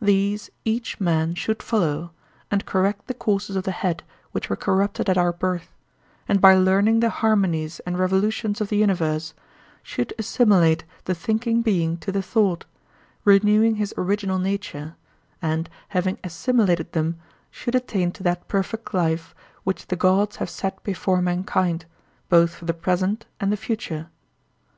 These each man should follow, and correct the courses of the head which were corrupted at our birth, and by learning the harmonies and revolutions of the universe, should assimilate the thinking being to the thought, renewing his original nature, and having assimilated them should attain to that perfect life which the gods have set before mankind, both for the present and the future.